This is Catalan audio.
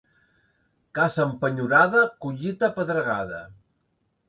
Casa empenyorada, collita pedregada.